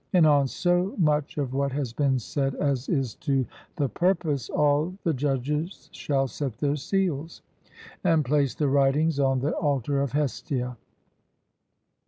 And on so much of what has been said as is to the purpose all the judges shall set their seals, and place the writings on the altar of Hestia.